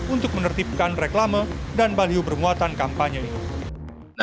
untuk menertibkan reklame dan baliho bermuatan kampanye ini